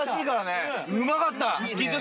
うまかった！